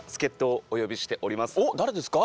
おっ誰ですか？